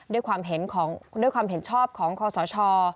ด้วยความเห็นชอบของคอสช